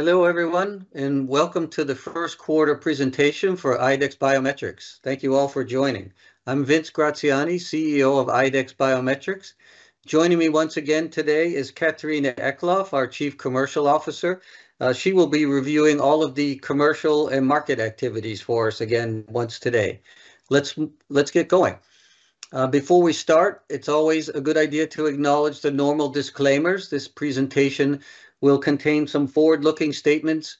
Hello everyone, and welcome to the first quarter presentation for IDEX Biometrics. Thank you all for joining. I'm Vince Graziani, CEO of IDEX Biometrics. Joining me once again today is Catharina Eklof, our Chief Commercial Officer. She will be reviewing all of the commercial and market activities for us again once today. Let's get going. Before we start, it's always a good idea to acknowledge the normal disclaimers. This presentation will contain some forward-looking statements.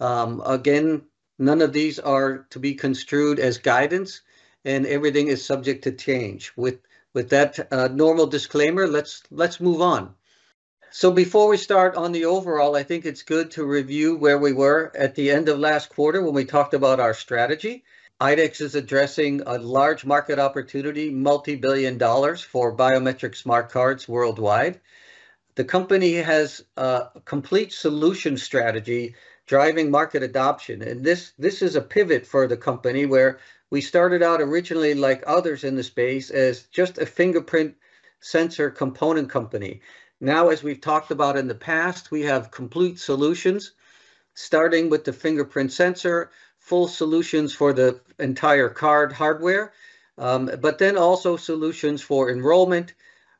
Again, none of these are to be construed as guidance, and everything is subject to change. With that normal disclaimer, let's move on. Before we start on the overall, I think it's good to review where we were at the end of last quarter when we talked about our strategy. IDEX is addressing a large market opportunity, multibillion dollars, for biometric smart cards worldwide. The company has a complete solution strategy driving market adoption, and this is a pivot for the company where we started out originally like others in the space as just a fingerprint sensor component company. Now, as we've talked about in the past, we have complete solutions, starting with the fingerprint sensor, full solutions for the entire card hardware, but then also solutions for enrollment,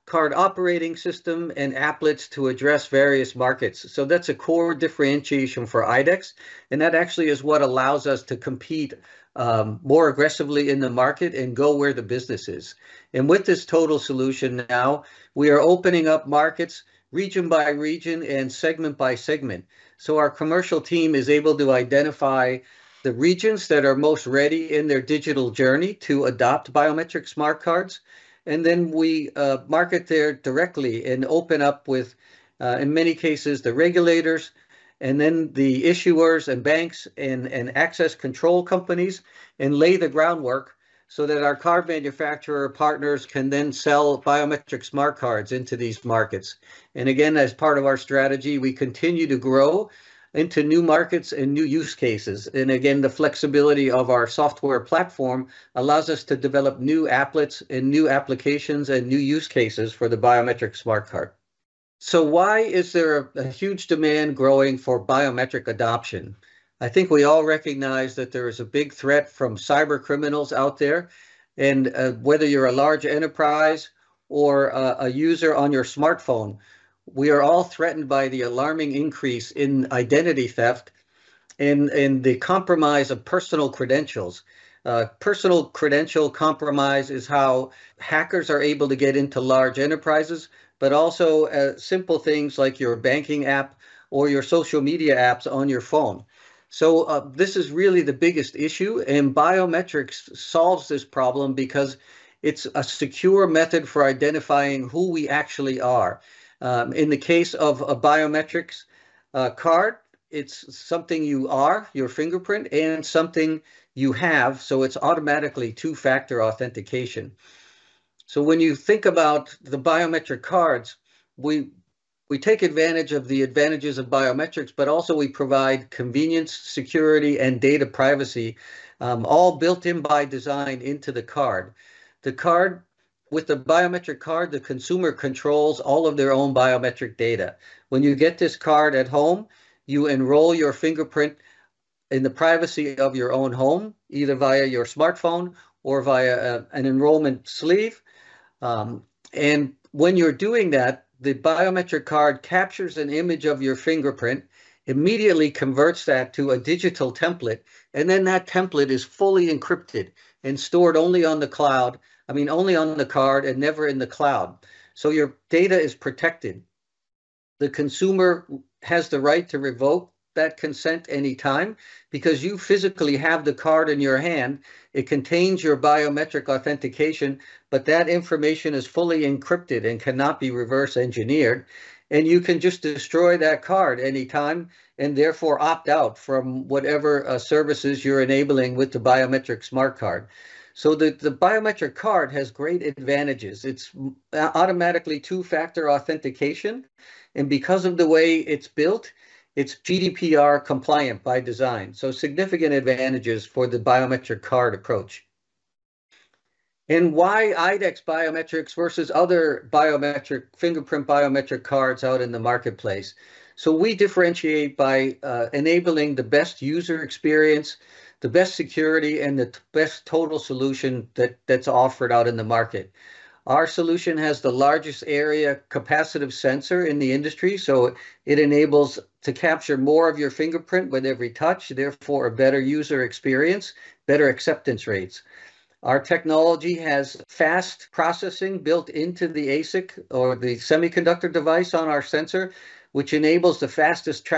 card operating system, and applets to address various markets. So that's a core differentiation for IDEX, and that actually is what allows us to compete more aggressively in the market and go where the business is. And with this total solution now, we are opening up markets region by region and segment by segment. So our commercial team is able to identify the regions that are most ready in their digital journey to adopt biometric smart cards, and then we market there directly and open up with, in many cases, the regulators, and then the issuers and banks and access control companies and lay the groundwork so that our card manufacturer partners can then sell biometric smart cards into these markets. And again, as part of our strategy, we continue to grow into new markets and new use cases. And again, the flexibility of our software platform allows us to develop new applets and new applications and new use cases for the biometric smart card. So why is there a huge demand growing for biometric adoption? I think we all recognize that there is a big threat from cybercriminals out there. Whether you're a large enterprise or a user on your smartphone, we are all threatened by the alarming increase in identity theft and the compromise of personal credentials. Personal credential compromise is how hackers are able to get into large enterprises, but also simple things like your banking app or your social media apps on your phone. So this is really the biggest issue, and biometrics solves this problem because it's a secure method for identifying who we actually are. In the case of a biometrics card, it's something you are, your fingerprint, and something you have. So it's automatically two-factor authentication. So when you think about the biometric cards, we take advantage of the advantages of biometrics, but also we provide convenience, security, and data privacy, all built-in by design into the card. With the biometric card, the consumer controls all of their own biometric data. When you get this card at home, you enroll your fingerprint in the privacy of your own home, either via your smartphone or via an enrollment sleeve. When you're doing that, the biometric card captures an image of your fingerprint, immediately converts that to a digital template, and then that template is fully encrypted and stored only on the cloud, I mean, only on the card and never in the cloud. Your data is protected. The consumer has the right to revoke that consent anytime because you physically have the card in your hand. It contains your biometric authentication, but that information is fully encrypted and cannot be reverse engineered. You can just destroy that card anytime and therefore opt out from whatever services you're enabling with the biometric smart card. The biometric card has great advantages. It's automatically two-factor authentication, and because of the way it's built, it's GDPR compliant by design. Significant advantages for the biometric card approach. Why IDEX Biometrics versus other fingerprint biometric cards out in the marketplace? We differentiate by enabling the best user experience, the best security, and the best total solution that's offered out in the market. Our solution has the largest area capacitive sensor in the industry, so it enables to capture more of your fingerprint with every touch, therefore a better user experience, better acceptance rates. Our technology has fast processing built into the ASIC or the semiconductor device on our sensor, which enables the fastest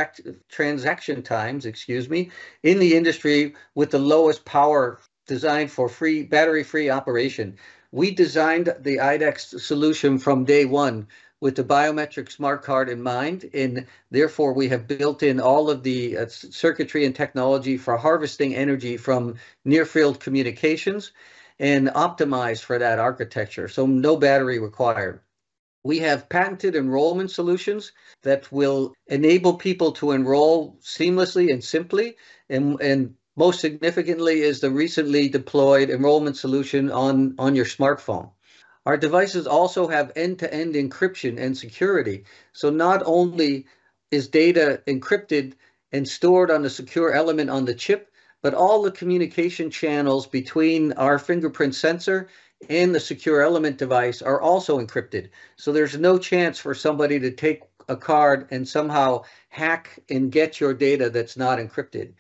transaction times, excuse me, in the industry with the lowest power designed for battery-free operation. We designed the IDEX solution from day one with the biometric smart card in mind, and therefore we have built in all of the circuitry and technology for harvesting energy from near-field communications and optimized for that architecture. So no battery required. We have patented enrollment solutions that will enable people to enroll seamlessly and simply. And most significantly is the recently deployed enrollment solution on your smartphone. Our devices also have end-to-end encryption and security. So not only is data encrypted and stored on a secure element on the chip, but all the communication channels between our fingerprint sensor and the secure element device are also encrypted. So there's no chance for somebody to take a card and somehow hack and get your data that's not encrypted.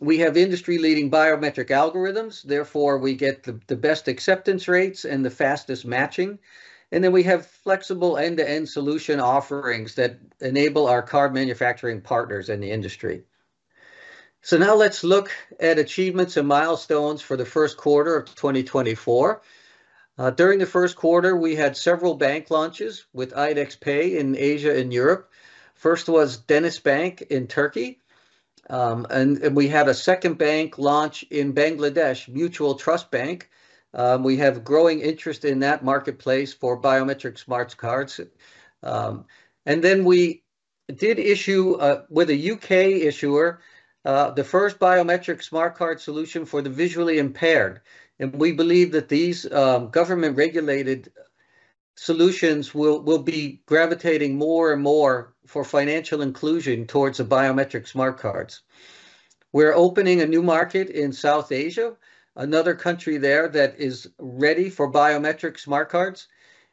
We have industry-leading biometric algorithms, therefore we get the best acceptance rates and the fastest matching. We have flexible end-to-end solution offerings that enable our card manufacturing partners in the industry. Now let's look at achievements and milestones for the first quarter of 2024. During the first quarter, we had several bank launches with IDEX Pay in Asia and Europe. First was DenizBank in Turkey, and we had a second bank launch in Bangladesh, Mutual Trust Bank. We have growing interest in that marketplace for biometric smart cards. We did issue with a UK issuer the first biometric smart card solution for the visually impaired. We believe that these government-regulated solutions will be gravitating more and more for financial inclusion towards biometric smart cards. We're opening a new market in South Asia, another country there that is ready for biometric smart cards.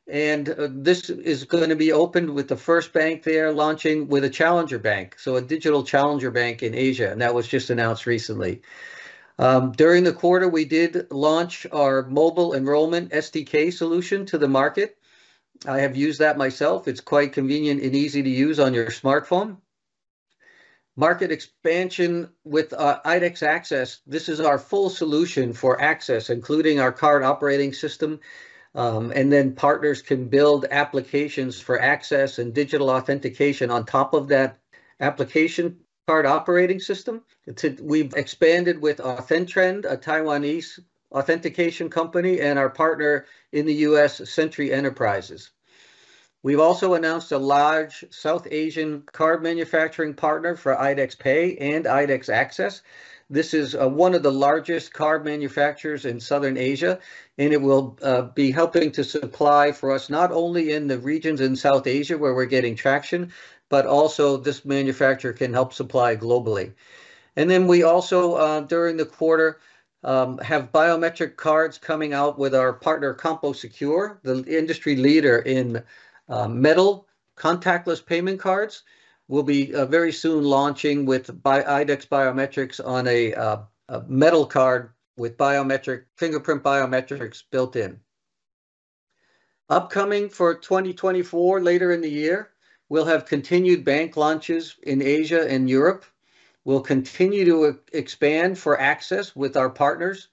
This is going to be opened with the first bank there launching with a challenger bank, so a digital challenger bank in Asia, and that was just announced recently. During the quarter, we did launch our mobile enrollment SDK solution to the market. I have used that myself. It's quite convenient and easy to use on your smartphone. Market expansion with IDEX Access, this is our full solution for access, including our card operating system. Then partners can build applications for access and digital authentication on top of that application card operating system. We've expanded with AuthenTrend, a Taiwanese authentication company, and our partner in the U.S., Sentry Enterprises. We've also announced a large South Asian card manufacturing partner for IDEX Pay and IDEX Access. This is one of the largest card manufacturers in Southern Asia, and it will be helping to supply for us not only in the regions in South Asia where we're getting traction, but also this manufacturer can help supply globally. We also, during the quarter, have biometric cards coming out with our partner CompoSecure, the industry leader in metal contactless payment cards. We'll be very soon launching with IDEX Biometrics on a metal card with fingerprint biometrics built in. Upcoming for 2024, later in the year, we'll have continued bank launches in Asia and Europe. We'll continue to expand for access with our partners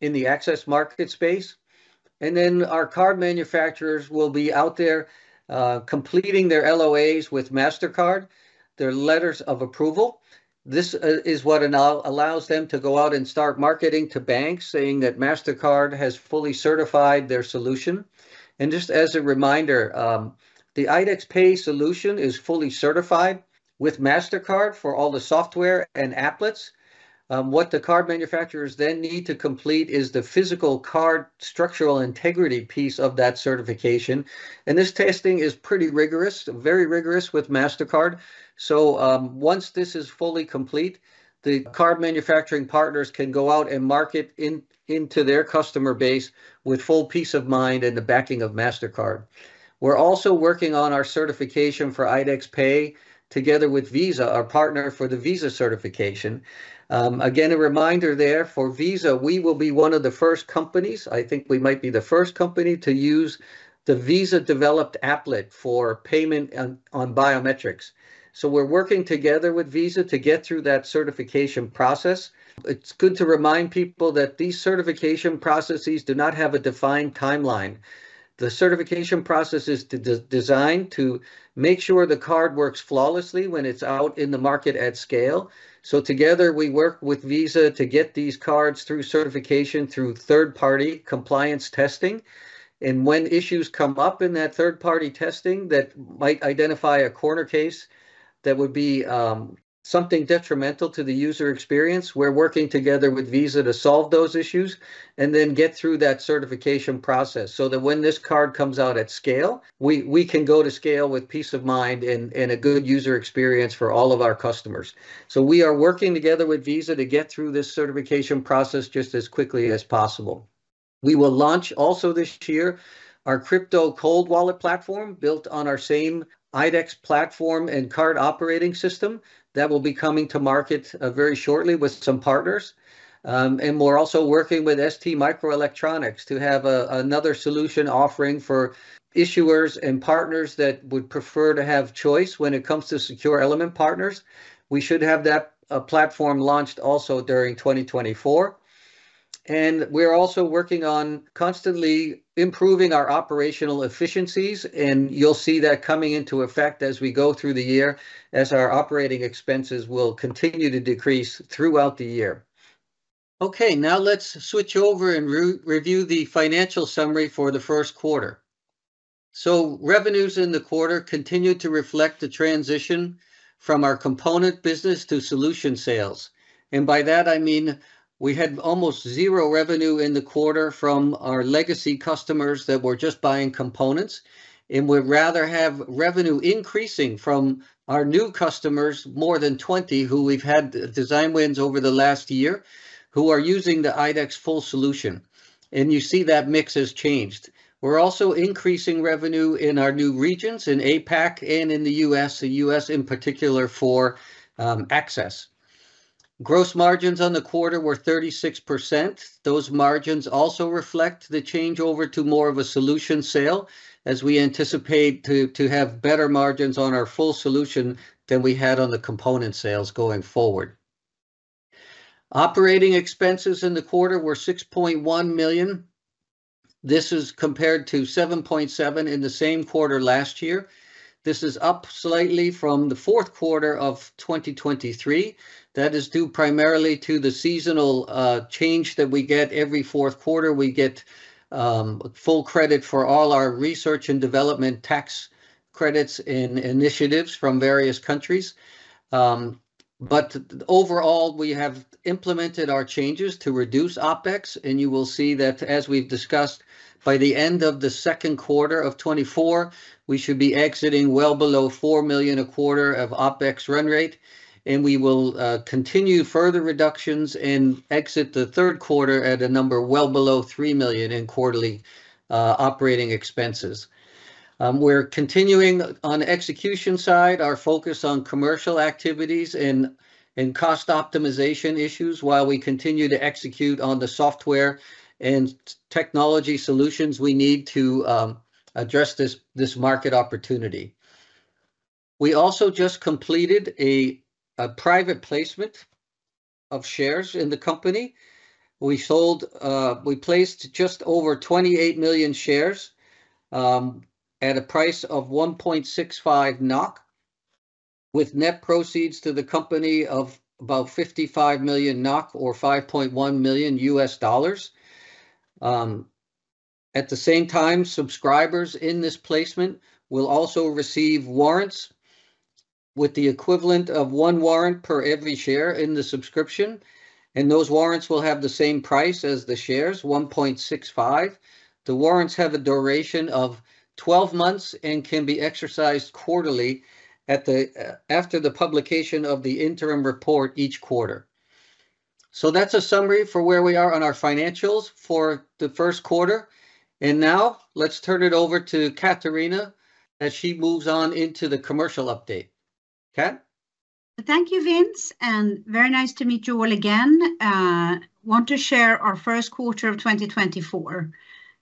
in the access market space. Our card manufacturers will be out there completing their LOAs with Mastercard, their letters of approval. This is what allows them to go out and start marketing to banks, saying that Mastercard has fully certified their solution. Just as a reminder, the IDEX Pay solution is fully certified with Mastercard for all the software and applets. What the card manufacturers then need to complete is the physical card structural integrity piece of that certification. This testing is pretty rigorous, very rigorous with Mastercard. Once this is fully complete, the card manufacturing partners can go out and market into their customer base with full peace of mind and the backing of Mastercard. We're also working on our certification for IDEX Pay together with Visa, our partner for the Visa certification. Again, a reminder there for Visa, we will be one of the first companies. I think we might be the first company to use the Visa-developed applet for payment on biometrics. We're working together with Visa to get through that certification process. It's good to remind people that these certification processes do not have a defined timeline. The certification process is designed to make sure the card works flawlessly when it's out in the market at scale. So together, we work with Visa to get these cards through certification through third-party compliance testing. And when issues come up in that third-party testing that might identify a corner case that would be something detrimental to the user experience, we're working together with Visa to solve those issues and then get through that certification process so that when this card comes out at scale, we can go to scale with peace of mind and a good user experience for all of our customers. So we are working together with Visa to get through this certification process just as quickly as possible. We will launch also this year our crypto cold wallet platform built on our same IDEX platform and card operating system that will be coming to market very shortly with some partners. We're also working with STMicroelectronics to have another solution offering for issuers and partners that would prefer to have choice when it comes to secure element partners. We should have that platform launched also during 2024. We're also working on constantly improving our operational efficiencies, and you'll see that coming into effect as we go through the year, as our operating expenses will continue to decrease throughout the year. Okay, now let's switch over and review the financial summary for the first quarter. Revenues in the quarter continue to reflect the transition from our component business to solution sales. And by that, I mean we had almost zero revenue in the quarter from our legacy customers that were just buying components. And we'd rather have revenue increasing from our new customers, more than 20, who we've had design wins over the last year, who are using the IDEX full solution. And you see that mix has changed. We're also increasing revenue in our new regions in APAC and in the US, the US in particular for access. Gross margins on the quarter were 36%. Those margins also reflect the change over to more of a solution sale as we anticipate to have better margins on our full solution than we had on the component sales going forward. Operating expenses in the quarter were $6.1 million. This is compared to $7.7 million in the same quarter last year. This is up slightly from the fourth quarter of 2023. That is due primarily to the seasonal change that we get every fourth quarter. We get full credit for all our research and development tax credits and initiatives from various countries. But overall, we have implemented our changes to reduce OpEx, and you will see that as we've discussed, by the end of the second quarter of 2024, we should be exiting well below $4 million a quarter of OpEx run rate. And we will continue further reductions and exit the third quarter at a number well below $3 million in quarterly operating expenses. We're continuing on the execution side, our focus on commercial activities and cost optimization issues while we continue to execute on the software and technology solutions we need to address this market opportunity. We also just completed a private placement of shares in the company. We placed just over 28 million shares at a price of 1.65 NOK with net proceeds to the company of about 55 million NOK or $5.1 million. At the same time, subscribers in this placement will also receive warrants with the equivalent of one warrant per every share in the subscription. And those warrants will have the same price as the shares, 1.65. The warrants have a duration of 12 months and can be exercised quarterly after the publication of the interim report each quarter. So that's a summary for where we are on our financials for the first quarter. And now let's turn it over to Catharina as she moves on into the commercial update. Cath? Thank you, Vince, and very nice to meet you all again. Want to share our first quarter of 2024.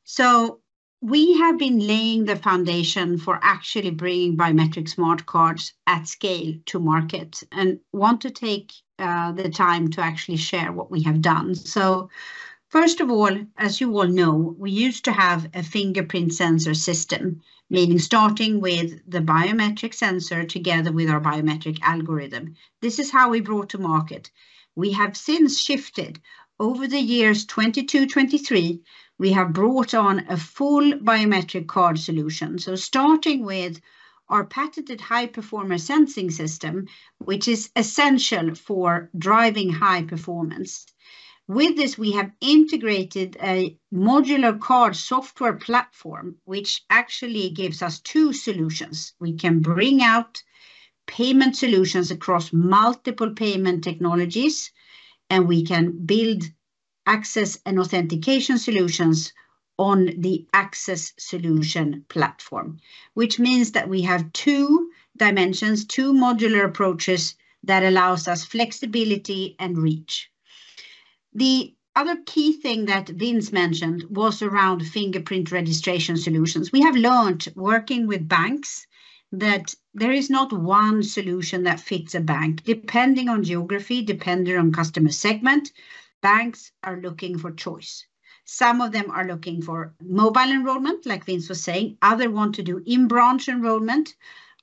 So we have been laying the foundation for actually bringing biometric smart cards at scale to market and want to take the time to actually share what we have done. So first of all, as you all know, we used to have a fingerprint sensor system, meaning starting with the biometric sensor together with our biometric algorithm. This is how we brought to market. We have since shifted. Over the years 2022-2023, we have brought on a full biometric card solution. So starting with our patented high-performer sensing system, which is essential for driving high performance. With this, we have integrated a modular card software platform, which actually gives us two solutions. We can bring out payment solutions across multiple payment technologies, and we can build access and authentication solutions on the access solution platform, which means that we have two dimensions, two modular approaches that allows us flexibility and reach. The other key thing that Vince mentioned was around fingerprint registration solutions. We have learned working with banks that there is not one solution that fits a bank. Depending on geography, depending on customer segment, banks are looking for choice. Some of them are looking for mobile enrollment, like Vince was saying. Other want to do in-branch enrollment.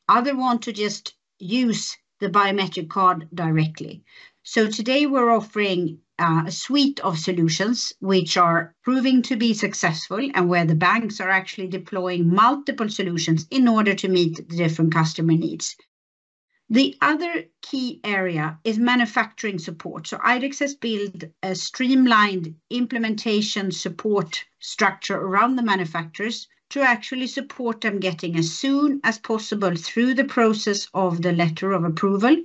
Other want to just use the biometric card directly. So today we're offering a suite of solutions, which are proving to be successful and where the banks are actually deploying multiple solutions in order to meet the different customer needs. The other key area is manufacturing support. So IDEX has built a streamlined implementation support structure around the manufacturers to actually support them getting as soon as possible through the process of the letter of approval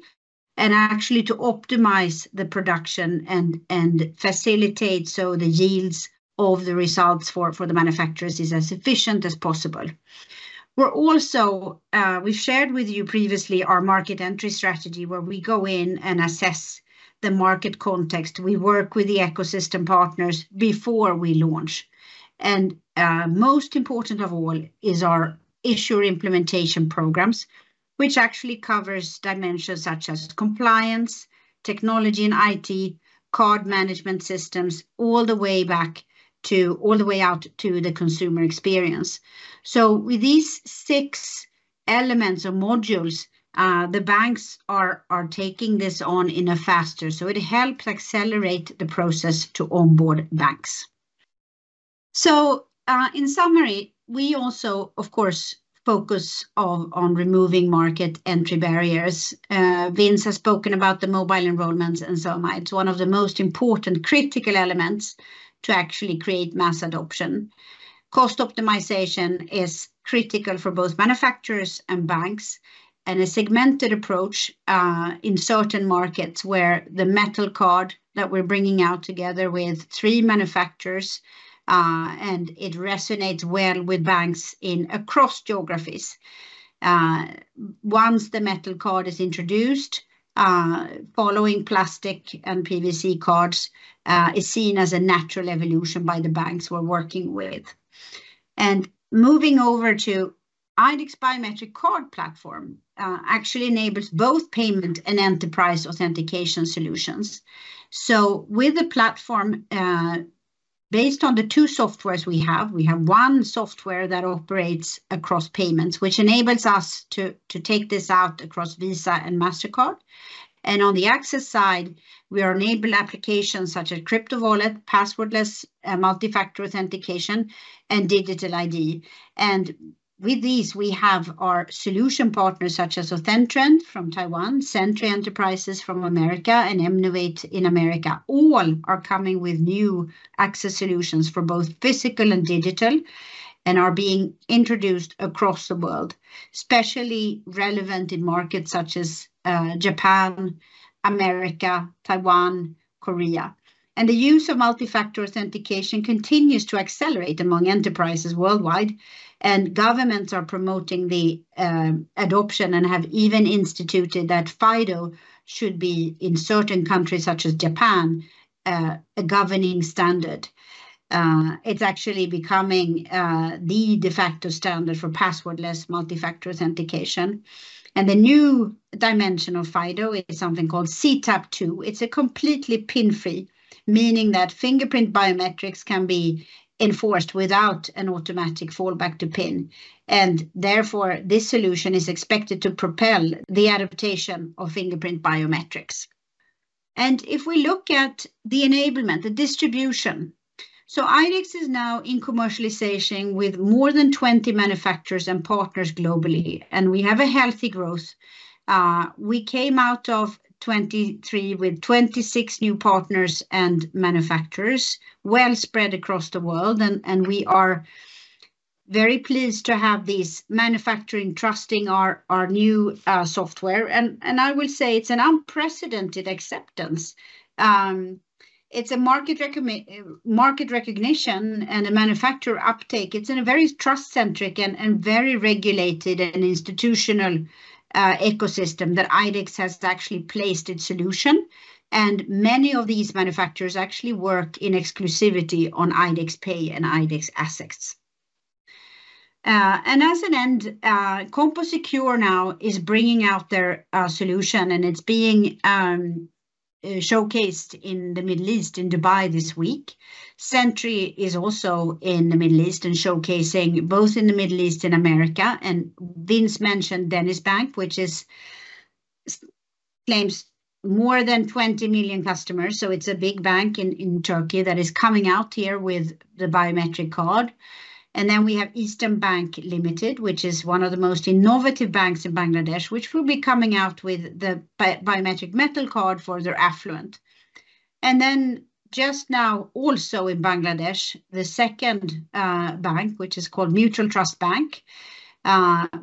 and actually to optimize the production and facilitate so the yields of the results for the manufacturers are as efficient as possible. We've shared with you previously our market entry strategy where we go in and assess the market context. We work with the ecosystem partners before we launch. And most important of all is our issuer implementation programs, which actually covers dimensions such as compliance, technology and IT, card management systems, all the way out to the consumer experience. So with these six elements or modules, the banks are taking this on in a faster. So it helps accelerate the process to onboard banks. So in summary, we also, of course, focus on removing market entry barriers. Vince has spoken about the mobile enrollments, and so am I. It's one of the most important critical elements to actually create mass adoption. Cost optimization is critical for both manufacturers and banks. A segmented approach in certain markets where the metal card that we're bringing out together with three manufacturers, and it resonates well with banks across geographies. Once the metal card is introduced, following plastic and PVC cards is seen as a natural evolution by the banks we're working with. Moving over to IDEX Biometrics Card Platform actually enables both payment and enterprise authentication solutions. With the platform, based on the two softwares we have, we have one software that operates across payments, which enables us to take this out across Visa and Mastercard. On the access side, we are enabling applications such as crypto wallet, passwordless multi-factor authentication, and digital ID. And with these, we have our solution partners such as AuthenTrend from Taiwan, Sentry Enterprises from America, and Emnuate in America. All are coming with new access solutions for both physical and digital and are being introduced across the world, especially relevant in markets such as Japan, America, Taiwan, Korea. And the use of multi-factor authentication continues to accelerate among enterprises worldwide. And governments are promoting the adoption and have even instituted that FIDO should be, in certain countries such as Japan, a governing standard. It's actually becoming the de facto standard for passwordless multi-factor authentication. And the new dimension of FIDO is something called CTAP2. It's completely PIN-free, meaning that fingerprint biometrics can be enforced without an automatic fallback to PIN. And therefore, this solution is expected to propel the adaptation of fingerprint biometrics. If we look at the enablement, the distribution, so IDEX is now in commercialization with more than 20 manufacturers and partners globally, and we have a healthy growth. We came out of 2023 with 26 new partners and manufacturers well spread across the world. We are very pleased to have these manufacturers trusting our new software. I will say it's an unprecedented acceptance. It's a market recognition and a manufacturer uptake. It's in a very trust-centric and very regulated and institutional ecosystem that IDEX has actually placed its solution. Many of these manufacturers actually work in exclusivity on IDEX Pay and IDEX Assets. As an end, CompoSecure now is bringing out their solution, and it's being showcased in the Middle East, in Dubai this week. Sentry is also in the Middle East and showcasing both in the Middle East and America. Vince mentioned DenizBank, which claims more than 20 million customers. So it's a big bank in Turkey that is coming out here with the biometric card. We have Eastern Bank Limited, which is one of the most innovative banks in Bangladesh, which will be coming out with the biometric metal card for their affluent. Just now also in Bangladesh, the second bank, which is called Mutual Trust Bank,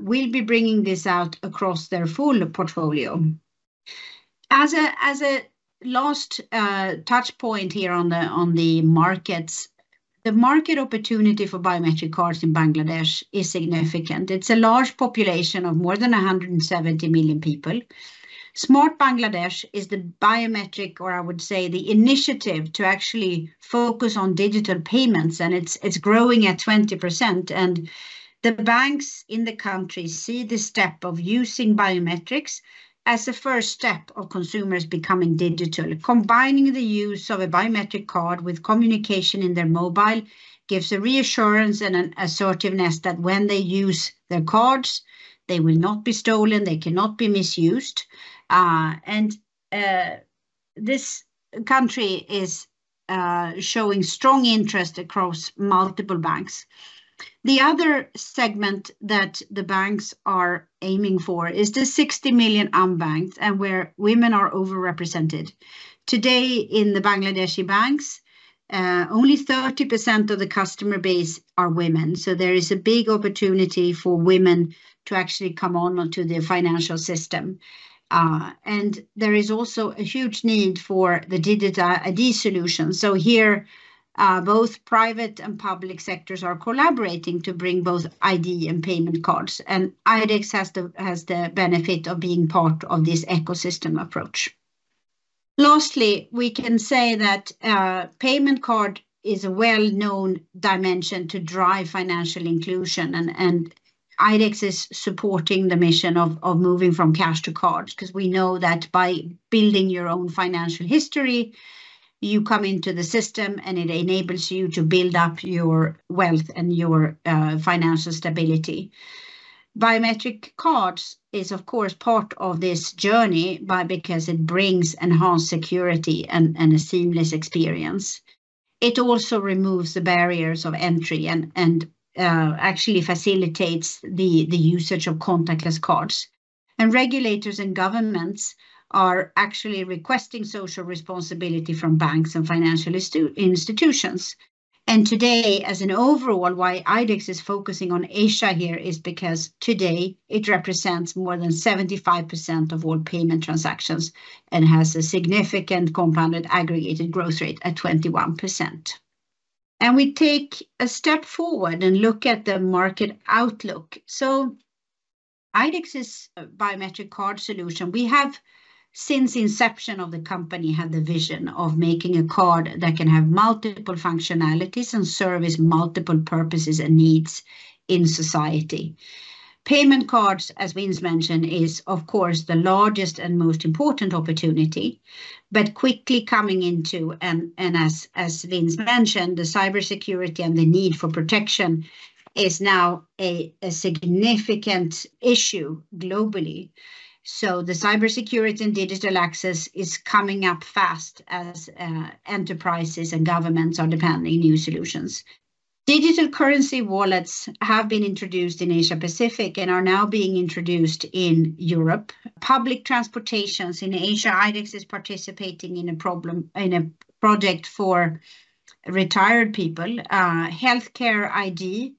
will be bringing this out across their full portfolio. As a last touchpoint here on the markets, the market opportunity for biometric cards in Bangladesh is significant. It's a large population of more than 170 million people. Smart Bangladesh is the biometric, or I would say the initiative, to actually focus on digital payments. It's growing at 20%. The banks in the country see this step of using biometrics as a first step of consumers becoming digital. Combining the use of a biometric card with communication in their mobile gives a reassurance and an assertiveness that when they use their cards, they will not be stolen. They cannot be misused. This country is showing strong interest across multiple banks. The other segment that the banks are aiming for is the 60 million unbanked and where women are overrepresented. Today, in the Bangladeshi banks, only 30% of the customer base are women. There is a big opportunity for women to actually come onto the financial system. There is also a huge need for the digital ID solution. Here, both private and public sectors are collaborating to bring both ID and payment cards. IDEX has the benefit of being part of this ecosystem approach. Lastly, we can say that payment card is a well-known dimension to drive financial inclusion. And IDEX is supporting the mission of moving from cash to cards because we know that by building your own financial history, you come into the system, and it enables you to build up your wealth and your financial stability. Biometric cards is, of course, part of this journey because it brings enhanced security and a seamless experience. It also removes the barriers of entry and actually facilitates the usage of contactless cards. And regulators and governments are actually requesting social responsibility from banks and financial institutions. And today, as an overall, why IDEX is focusing on Asia here is because today it represents more than 75% of all payment transactions and has a significant compounded aggregated growth rate at 21%. And we take a step forward and look at the market outlook. So IDEX is a biometric card solution. We have, since inception of the company, had the vision of making a card that can have multiple functionalities and service multiple purposes and needs in society. Payment cards, as Vince mentioned, is, of course, the largest and most important opportunity, but quickly coming into, and as Vince mentioned, the cybersecurity and the need for protection is now a significant issue globally. So the cybersecurity and digital access is coming up fast as enterprises and governments are depending on new solutions. Digital currency wallets have been introduced in Asia Pacific and are now being introduced in Europe. Public transportation in Asia, IDEX is participating in a project for retired people. Healthcare ID,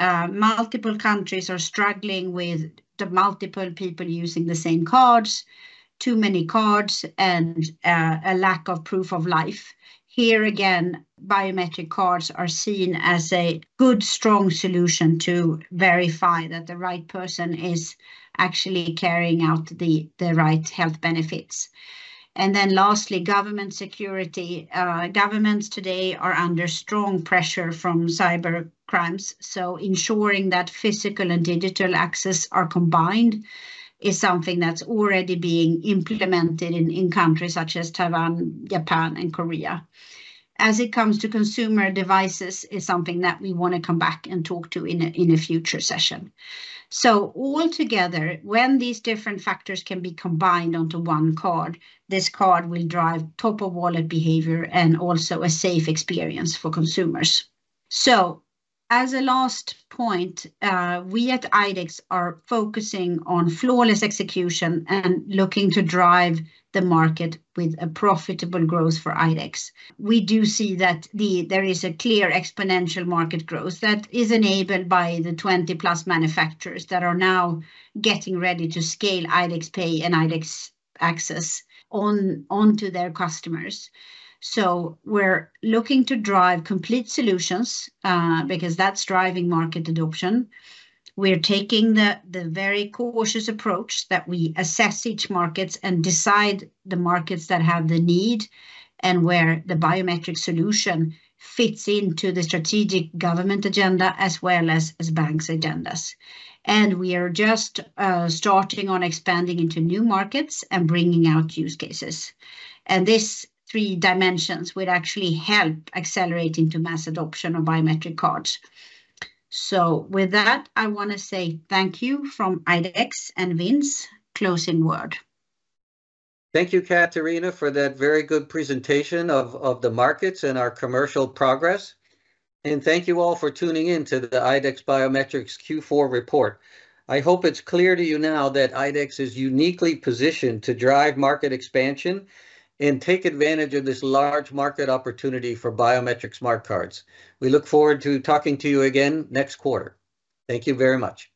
multiple countries are struggling with the multiple people using the same cards, too many cards, and a lack of proof of life. Here again, biometric cards are seen as a good, strong solution to verify that the right person is actually carrying out the right health benefits. Then lastly, government security. Governments today are under strong pressure from cyber crimes. Ensuring that physical and digital access are combined is something that's already being implemented in countries such as Taiwan, Japan, and Korea. As it comes to consumer devices, it's something that we want to come back and talk to in a future session. Altogether, when these different factors can be combined onto one card, this card will drive top-of-wallet behavior and also a safe experience for consumers. As a last point, we at IDEX are focusing on flawless execution and looking to drive the market with a profitable growth for IDEX. We do see that there is a clear exponential market growth that is enabled by the 20+ manufacturers that are now getting ready to scale IDEX Pay and IDEX Access onto their customers. So we're looking to drive complete solutions because that's driving market adoption. We're taking the very cautious approach that we assess each market and decide the markets that have the need and where the biometric solution fits into the strategic government agenda as well as banks' agendas. And we are just starting on expanding into new markets and bringing out use cases. And these three dimensions would actually help accelerate into mass adoption of biometric cards. So with that, I want to say thank you from IDEX and Vince. Closing word. Thank you, Catharina, for that very good presentation of the markets and our commercial progress. Thank you all for tuning in to the IDEX Biometrics Q4 report. I hope it's clear to you now that IDEX is uniquely positioned to drive market expansion and take advantage of this large market opportunity for biometric smart cards. We look forward to talking to you again next quarter. Thank you very much.